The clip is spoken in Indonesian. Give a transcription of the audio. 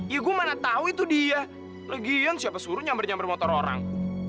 ya gue mana tau itu dia legion siapa suruh nyamper nyamper motor orang